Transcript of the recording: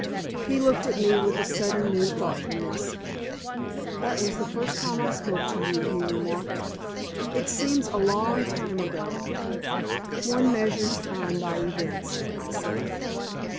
He looked at me with a sudden new thoughtfulness. "That was the first time I spoke to you," he remarked. "It seems a long time ago." "One measures time by events," I said.